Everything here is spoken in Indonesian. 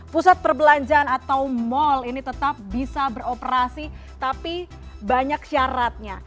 pusat perbelanjaan atau mal ini tetap bisa beroperasi tapi banyak syaratnya